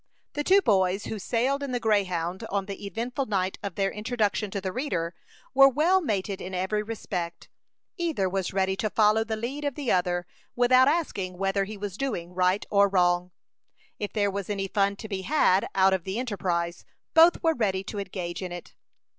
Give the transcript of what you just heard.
The two boys who sailed in the Greyhound on the eventful night of their introduction to the reader, were well mated in every respect. Either was ready to follow the lead of the other, without asking whether he was doing right or wrong. If there was any fun to be had out of the enterprise, both were ready to engage in it.